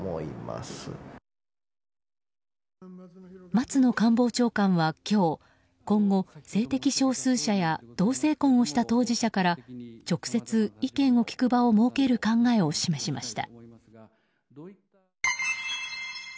松野官房長官は今日今後、性的少数者や同性婚をした当事者から直接、意見を聞く場を設ける考えを示しました。